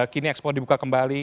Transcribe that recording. kini ekspor dibuka kembali